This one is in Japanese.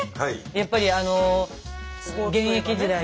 やっぱり現役時代。